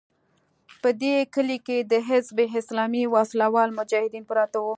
په دې کلي کې د حزب اسلامي وسله وال مجاهدین پراته وو.